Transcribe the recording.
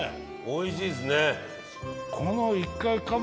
おいしいっすね。